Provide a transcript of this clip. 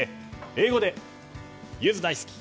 英語でゆづ大好き！